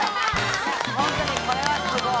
・ほんとにこれはすごい！